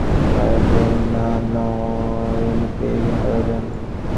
ওঁর নিয়ম হচ্ছে, হয় উনি পেয়েও পাবেন না, নয় উনি পেয়েই হারাবেন।